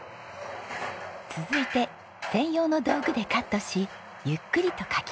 続いて専用の道具でカットしゆっくりとかき混ぜます。